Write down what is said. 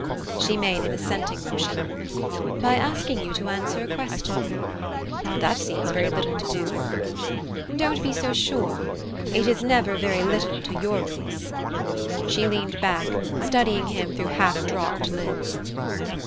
She made an assenting motion. "By asking you to answer a question." "That seems very little to do." "Don't be so sure! It is never very little to your race." She leaned back, studying him through half dropped lids.